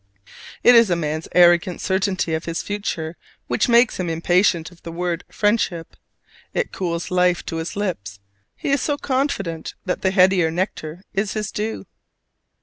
It is man's arrogant certainty of his future which makes him impatient of the word "friendship": it cools life to his lips, he so confident that the headier nectar is his due!